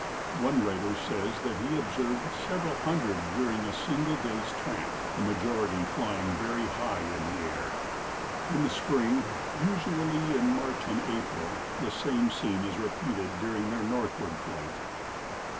One writer says that he observed several hundred during a single day's tramp, the majority flying very high in the air. In the spring, usually in March and April, the same scene is repeated during their northward flight.